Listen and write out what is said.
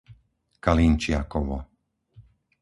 Kalinčiakovo